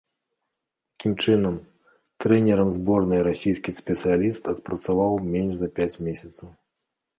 Такім чынам, трэнерам зборнай расійскі спецыяліст адпрацаваў менш за пяць месяцаў.